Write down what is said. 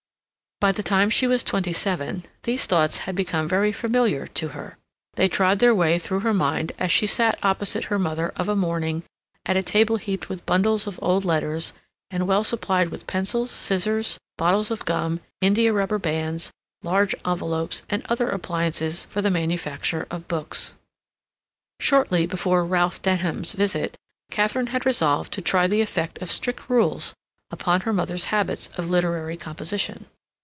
By the time she was twenty seven, these thoughts had become very familiar to her. They trod their way through her mind as she sat opposite her mother of a morning at a table heaped with bundles of old letters and well supplied with pencils, scissors, bottles of gum, india rubber bands, large envelopes, and other appliances for the manufacture of books. Shortly before Ralph Denham's visit, Katharine had resolved to try the effect of strict rules upon her mother's habits of literary composition.